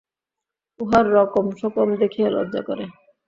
উহার রকমসকম দেখিয়া লজ্জা করে!